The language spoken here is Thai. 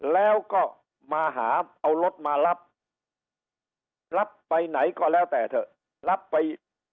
แล้วก็มาหาเอารถมารับรับไปไหนก็แล้วแต่เถอะรับไป